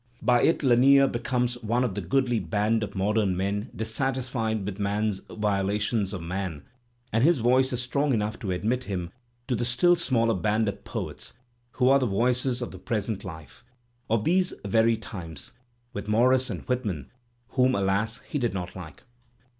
By it Lanier becomes one of the goodly band of modem men dissatisfied with man's viola y^ tions of man, and his voice is strong enough to admit him to the still smaller band of poets who are the voices of the present life, of these very times — with Morris and Whitman, whom, alas, he did not like!